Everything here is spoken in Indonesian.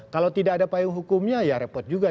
kalau tidak ada payung hukumnya ya repot juga